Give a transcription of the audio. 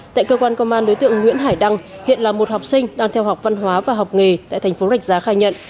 tại cơ quan công an đối tượng nguyễn hải đăng hiện là một học sinh đang theo học văn hóa và học nghề tại thành phố rạch giá khai nhận